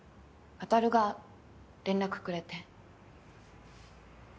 渉が連絡くれて。